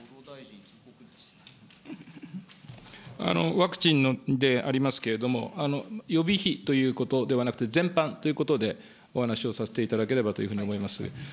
ワクチンでありますけれども、予備費ということではなくて、全般ということで、お話をさせていただければというふうに思います。